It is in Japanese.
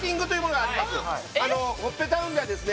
これあのほっぺタウンではですね